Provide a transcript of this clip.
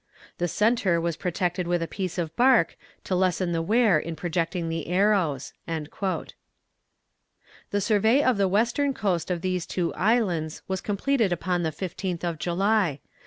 The centre was protected with a piece of bark, to lessen the wear in projecting the arrows." The survey of the western coast of these two islands was completed upon the 15th of July.